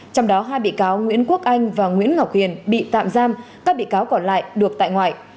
trong đó hai bị cáo nguyễn quốc anh và nguyễn ngọc huyền bị tạm giam các bị cáo còn lại được tại ngoại